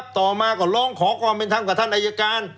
ต่อมาก็ร้องขอความเป็นธรรมกับท่านอายการ